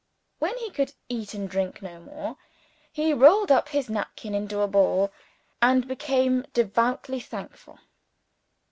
When he could eat and drink no more, he rolled up his napkin into a ball, and became devoutly thankful.